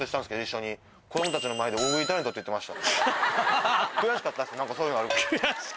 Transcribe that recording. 子供たちの前で「大食いタレント」って言ってました。